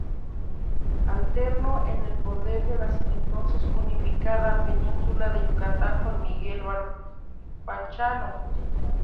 Alternó en el poder de la entonces unificada Península de Yucatán con Miguel Barbachano.